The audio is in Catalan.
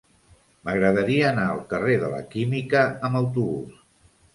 M'agradaria anar al carrer de la Química amb autobús.